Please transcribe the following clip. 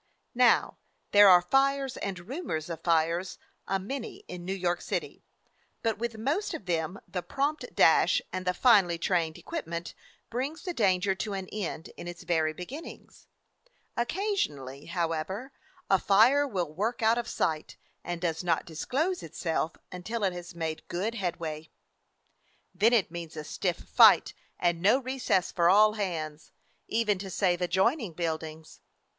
Now, there are fires and rumors of fires a many in New York City, but with most of them the prompt dash and the finely trained equipment brings the danger to an end in its very beginnings. Occasionally, however, a fire will work out of sight and does not dis close itself until it has made good headway. 259 DOG HEROES OF MANY LANDS Then it means a stiff fight and no recess for all hands, even to save adjoining buildings.